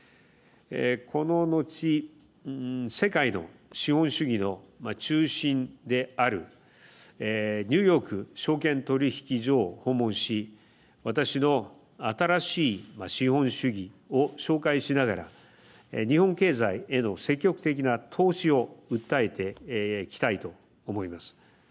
この後世界の資本主義の中心であるニューヨーク証券取引所を訪問し私の、新しい資本主義を紹介しながら日本経済への積極的な投資を訴えていきたいと思います。